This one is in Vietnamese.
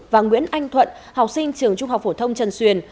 và nguyễn anh thuận học sinh trường trung học phổ thông trần xuyền